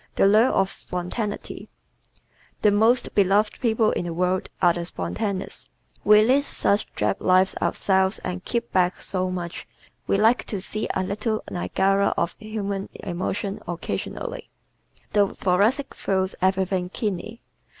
The Lure of Spontaneity ¶ The most beloved people in the world are the spontaneous. We lead such drab lives ourselves and keep back so much, we like to see a little Niagara of human emotion occasionally. The Thoracic feels everything keenly.